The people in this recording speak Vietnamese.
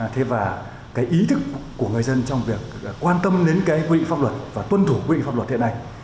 thế và cái ý thức của người dân trong việc quan tâm đến cái quy định pháp luật và tuân thủ quy định pháp luật hiện nay